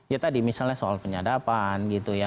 ya tadi misalnya soal penyadapan gitu ya